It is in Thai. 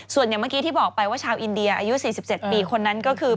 ส่วนอย่างเมื่อกี้ที่บอกไปว่าชาวอินเดียอายุ๔๗ปีคนนั้นก็คือ